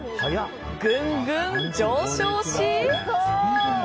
ぐんぐん上昇し。